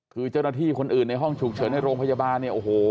คือเจ้าหน้าที่คนอื่นในห้องฉุกเฉินในโรงพยาบาลเนี่ยโอ้โห